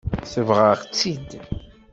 Sebɣeɣ-tt-id.